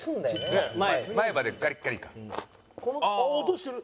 あっ音してる！